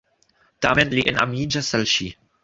Tamen li enamiĝas al ŝi.